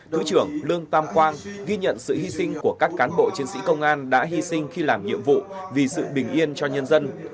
thứ trưởng lương tam quang ghi nhận sự hy sinh của các cán bộ chiến sĩ công an đã hy sinh khi làm nhiệm vụ vì sự bình yên cho nhân dân